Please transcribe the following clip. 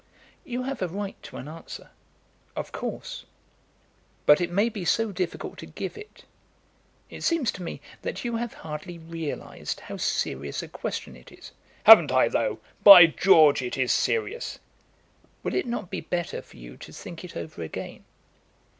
"You have a right to an answer, of course; but it may be so difficult to give it. It seems to me that you have hardly realised how serious a question it is." "Haven't I, though! By George, it is serious!" "Will it not be better for you to think it over again?"